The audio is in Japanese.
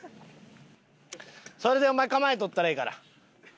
それでお前構えとったらええから。